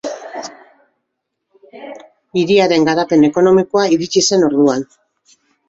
Hiriaren garapen ekonomikoa iritsi zen orduan.